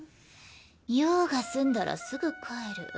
用が済んだらすぐ帰る。